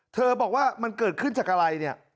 บอกว่ามันเกิดขึ้นจากอะไรเนี่ย